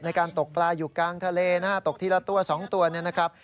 ในการตกปลาอยู่กลางทะเลนะฮะตกทีละตัว๒ตัวเนี่ยนะครับ